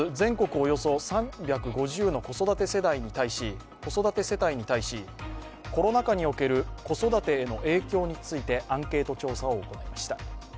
およそ３５０の子育て世帯に対しコロナ禍における子育てへの影響についてアンケート調査を行いました。